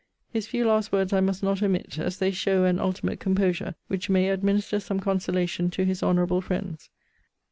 His few last words I must not omit, as they show an ultimate composure; which may administer some consolation to his honourable friends.